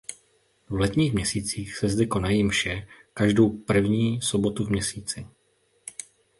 V letních měsících se zde konají mše každou první sobotu v měsíci.